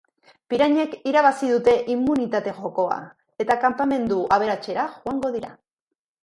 Pirañek irabazi dute immunitate jokoa, eta kanpamentu aberatsera joango dira.